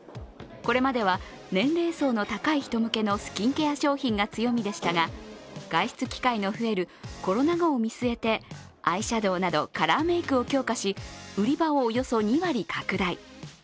これまでは年齢層の高い人向けのスキンケア商品が強みでしたが外出機会の増えるコロナ後を見据えてアイシャドウなどカラーメイクを強化し売り場をおよそ２割拡大。